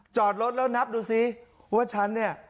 จอดรถแล้วนับดูซิว่าฉันเนี่ย